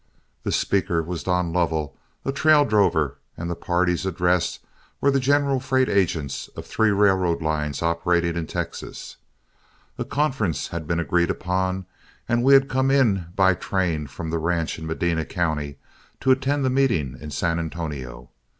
The speaker was Don Lovell, a trail drover, and the parties addressed were the general freight agents of three railroad lines operating in Texas. A conference had been agreed upon, and we had come in by train from the ranch in Medina County to attend the meeting in San Antonio.